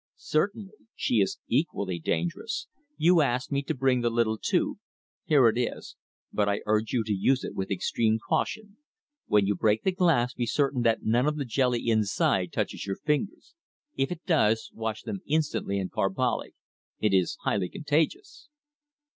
"Certainly. She is equally dangerous. You asked me to bring the little tube. Here it is. But I urge you to use it with extreme caution. When you break the glass be certain that none of the jelly inside touches your fingers. If it does, wash them instantly in carbolic. It is highly contagious."